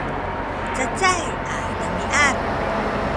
cacay a demiad